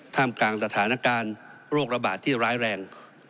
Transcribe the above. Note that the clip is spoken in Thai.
กลางสถานการณ์โรคระบาดที่ร้ายแรง